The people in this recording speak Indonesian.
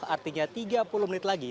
artinya tiga puluh menit lagi